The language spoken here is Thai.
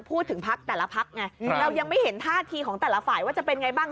พูดถึงพักแต่ละพักไงเรายังไม่เห็นท่าทีของแต่ละฝ่ายว่าจะเป็นไงบ้าง